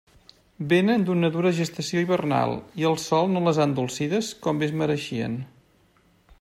Vénen d'una dura gestació hivernal i el sol no les ha endolcides com bé es mereixen.